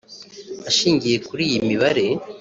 Ashingiye kuri iyi mibare